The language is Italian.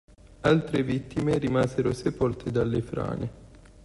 Altre vittime rimasero sepolte dalle frane.